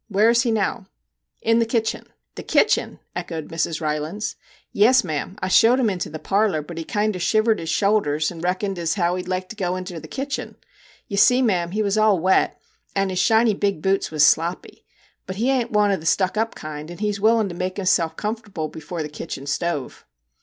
Where is he now ?'' In the kitchen/ ' The kitchen !' echoed Mrs. Rylands. ' Yes, ma'am ; I showed him into the parlour, but he kinder shivered his shoulders, and reckoned ez how he'd go inter the kitchen. Ye see, ma'am, he was all wet, and his shiny big boots was sloppy. But he an't one o' the stuck up kind, and he 's willin' to make hisself comfble before the kitchen stove.'